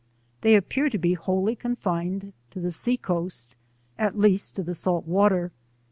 They appear to be wholly confined to the sea coast, at least to the salt water.